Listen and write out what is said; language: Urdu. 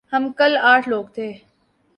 ہم کل آٹھ لوگ تھے ۔